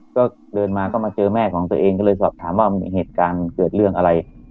ก็เดินมาก็มาเจอแม่ของตัวเองก็เลยสอบถามว่าเหตุการณ์เกิดเรื่องอะไร